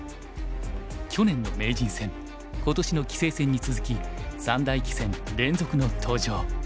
去年の名人戦今年の棋聖戦に続き三大棋戦連続の登場。